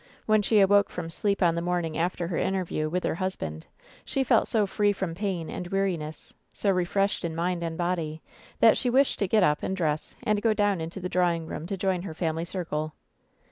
When she awoke from sleep on the morning after her interview with her husband, she felt so free from pain and weariness, so refreshed in mind and body, that she wished to get np and dress, and go down into the draw ing room to join her family circle.